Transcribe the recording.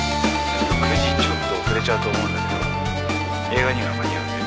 ９時遅れちゃうと思うんだけど映画には間に合うんで。